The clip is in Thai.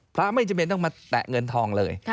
ไม่จำเป็นต้องมาแตะเงินทองเลย